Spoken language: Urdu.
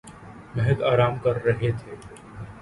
محض آرام کررہے تھے